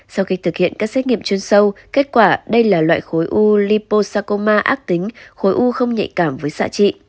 sau khi thực hiện các xét nghiệm chuyên sâu kết quả đây là loại khối u libosakoma ác tính khối u không nhạy cảm với xạ trị